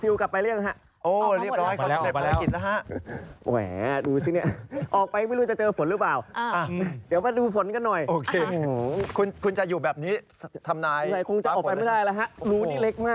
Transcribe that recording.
อื้อฮือนี่ผมคัดเฮียโอ๊ะอ้าวโอ๊